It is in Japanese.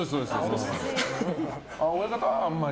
親方はあんまり？